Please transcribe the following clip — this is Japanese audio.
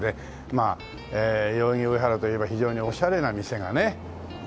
まあ代々木上原といえば非常にオシャレな店がね多いという。